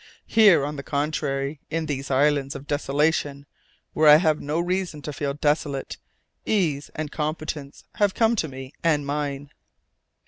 Here, on the contrary, in these Islands of Desolation, where I have no reason to feel desolate, ease and competence have come to me and mine!"